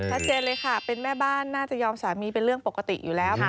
ชัดเจนเลยค่ะเป็นแม่บ้านน่าจะยอมสามีเป็นเรื่องปกติอยู่แล้ว